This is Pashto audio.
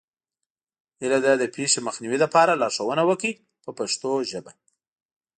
هیله ده د پېښې مخنیوي لپاره لارښوونه وکړئ په پښتو ژبه.